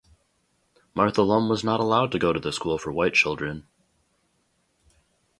Martha Lum was not allowed to go to the school for white children.